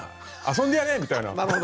遊んでやれ！みたいな。